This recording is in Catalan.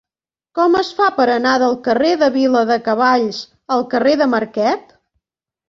Com es fa per anar del carrer de Viladecavalls al carrer de Marquet?